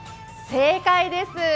正解です。